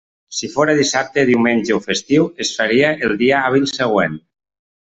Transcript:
Si fóra dissabte, diumenge o festiu, es faria el dia hàbil següent.